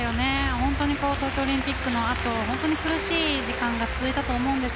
本当に東京オリンピックの後本当に苦しい時間が続いたと思うんです。